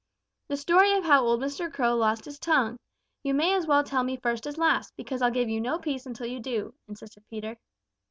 "The story of how old Mr. Crow lost his tongue. You may as well tell me first as last, because I'll give you no peace until you do," insisted Peter.